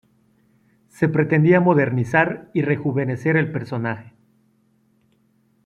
Se pretendía modernizar y rejuvenecer el personaje.